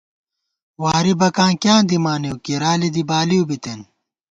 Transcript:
واری بکاں کیاں دِمانېؤ، کِرالی دی بالیؤ بتېن